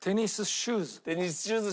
テニスシューズ。